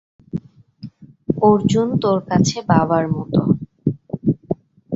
অর্জুন তোর কাছে বাবার মতো।